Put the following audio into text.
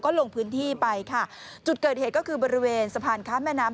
ลงพื้นที่ไปค่ะจุดเกิดเหตุก็คือบริเวณสะพานข้ามแม่น้ำ